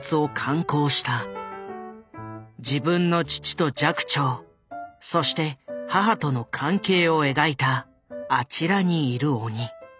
自分の父と寂聴そして母との関係を描いた「あちらにいる鬼」。